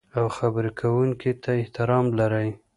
او خبرې کوونکي ته احترام لرئ.